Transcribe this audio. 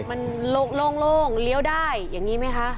มันโล่งเลี้ยวได้อย่างนี้ไหมคะ